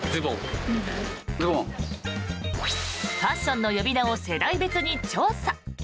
ファッションの呼び名を世代別に調査。